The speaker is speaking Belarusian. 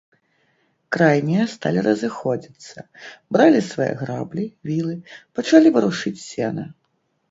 Крайнія сталі разыходзіцца, бралі свае граблі, вілы, пачалі варушыць сена.